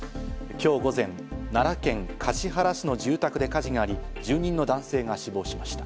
今日午前、奈良県橿原市の住宅で火事があり、住人の男性が死亡しました。